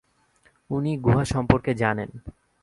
উনি গুহা সম্পর্কে জানেন।